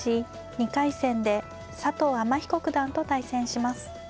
２回戦で佐藤天彦九段と対戦します。